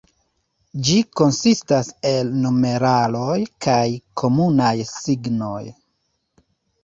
Ĝi konsistas el numeraloj kaj komunaj signoj.